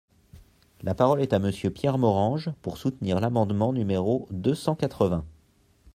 La parole est à Monsieur Pierre Morange, pour soutenir l’amendement numéro deux cent quatre-vingts.